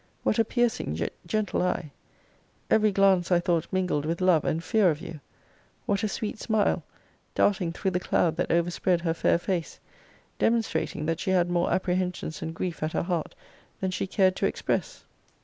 What a piercing, yet gentle eye; every glance I thought mingled with love and fear of you! What a sweet smile darting through the cloud that overspread her fair face, demonstrating that she had more apprehensions and grief at her heart than she cared to express!